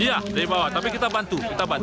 iya dari bawah tapi kita bantu